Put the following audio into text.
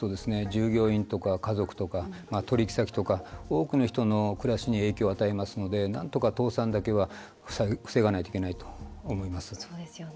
従業員とか家族とか、取引先とか多くの人の暮らしに影響を与えますのでなんとか倒産だけは防がないといけないと思います。